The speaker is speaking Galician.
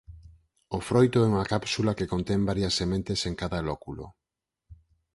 O froito é unha cápsula que contén varias sementes en cada lóculo.